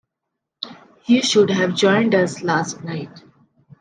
You should have joined us last night.